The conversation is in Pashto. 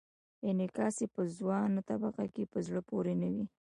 انعکاس یې په ځوانه طبقه کې په زړه پورې نه و.